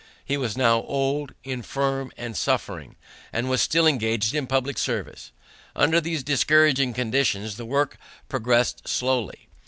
He was now old, infirm, and suffering, and was still engaged in public service. Under these discouraging conditions the work progressed slowly.